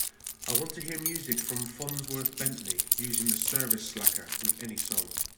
I want to hear music from Fonzworth Bentley using the service slacker with any song